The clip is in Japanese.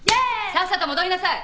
さっさと戻りなさい！